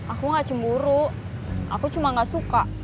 aku nggak cemburu aku cuma nggak suka